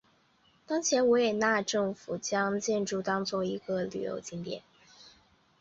当前维也纳政府将建筑当作一个旅游景点。